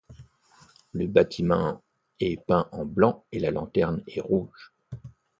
Le bâtiment est peint en blanc et la lanterne est rouge.